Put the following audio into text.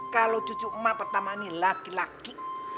kalau cucu emak pertama ini laki laki